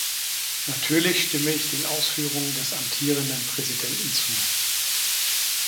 Natürlich stimme ich den Ausführungen des amtierenden Präsidenten zu.